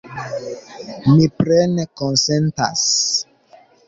Mi plene konsentas!